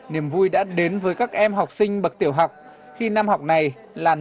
niềm vui đã đến với các em học sinh bậc tiểu học khi năm học này là năm đầu tiên